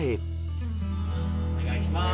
お願いします。